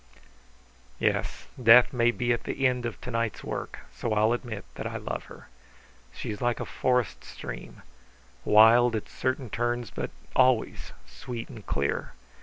"Yes, death may be at the end of to night's work; so I'll admit that I love her. She is like a forest stream, wild at certain turns, but always sweet and clear.